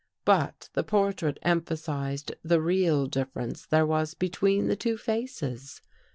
But the portrait emphasized the real difference there was between the two faces.